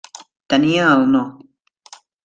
Tenia el No.